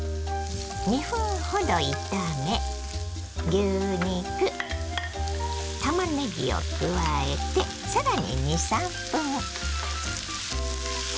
２分ほど炒め牛肉たまねぎを加えて更に２３分。